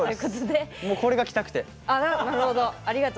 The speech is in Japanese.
これが着たくて。